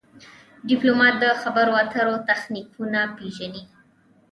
ډيپلومات د خبرو اترو تخنیکونه پېژني.